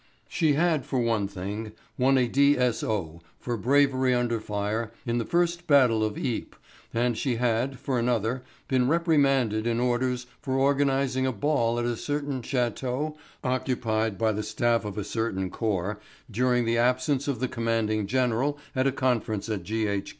She had, for one thing, won a D.S.O. for bravery under fire in the first battle of Ypres and she had, for another, been reprimanded in orders for organizing a ball at a certain chateau occupied by the staff of a certain corps during the absence of the commanding general at a conference at G.H.